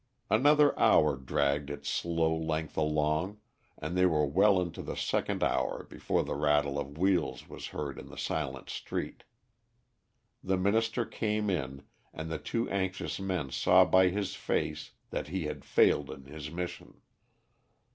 Another hour dragged its slow length along, and they were well into the second hour before the rattle of wheels was heard in the silent street. The Minister came in, and the two anxious men saw by his face that he had failed in his mission.